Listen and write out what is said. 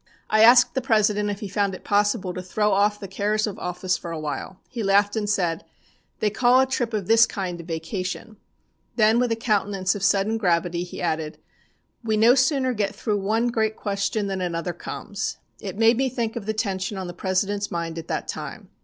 "I asked the President if he found it possible to throw off the cares of office for a while. He laughed, and said: "'They call a trip of this kind a vacation;' then with a countenance of sudden gravity he added: 'We no sooner get through one great question than another comes.' It made me think of the tension on the President's mind at that time.